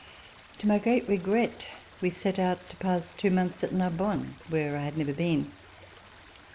To my great regret we set out to pass two months at Narbonne, where I had never been.